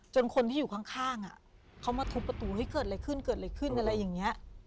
คนที่อยู่ข้างเขามาทุบประตูเฮ้ยเกิดอะไรขึ้นเกิดอะไรขึ้นอะไรอย่างนี้